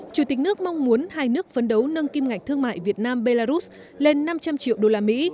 chủ tịch nước mong muốn hai nước phấn đấu nâng kim ngạch thương mại việt nam belarus lên năm trăm linh triệu đô la mỹ